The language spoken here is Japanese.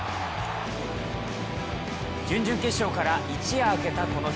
準々決勝から一夜明けたこの日。